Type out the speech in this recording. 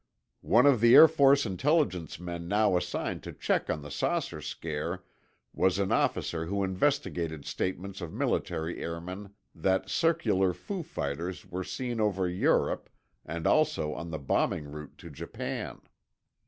One of the Air Force Intelligence men now assigned to check on the saucer scare was an officer who investigated statements of military airmen that circular foo fighters were seen over Europe and also on the bombing route to Japan.